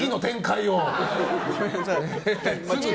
ごめんなさい。